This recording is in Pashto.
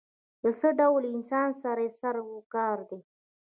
له څه ډول انسان سره یې سر و کار دی.